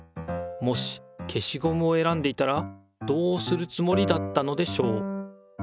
もし消しゴムを選んでいたらどうするつもりだったのでしょう？